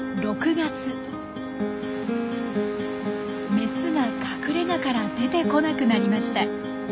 メスが隠れ家から出てこなくなりました。